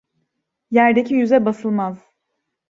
Yerdeki yüze basılmaz.